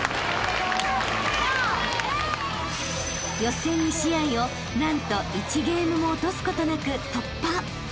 ［予選２試合を何と１ゲームも落とすことなく突破］